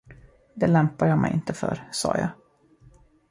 Det lämpar jag mig inte för, sa jag.